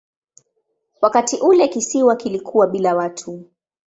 Wakati ule kisiwa kilikuwa bila watu.